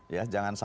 ya jangan sama sama